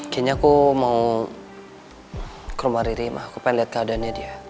kayaknya aku mau ke rumah diri mah aku pengen lihat keadaannya dia